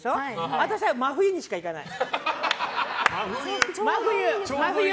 私は真冬にしか行かない。